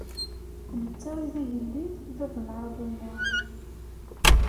D netta i d agellid, bab n lɛaḍima!